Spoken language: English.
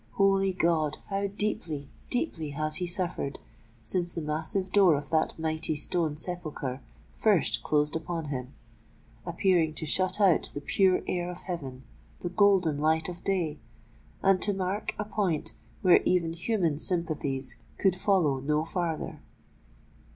—holy God, how deeply—deeply has he suffered since the massive door of that mighty stone sepulchre first closed upon him,—appearing to shut out the pure air of heaven, the golden light of day, and to mark a point where even human sympathies could follow no farther!